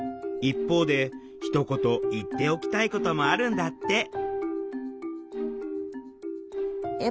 一方でひと言言っておきたいこともあるんだって。